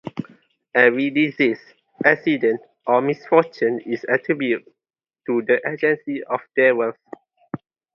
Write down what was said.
Every disease, accident, or misfortune is attributed to the agency of the devils.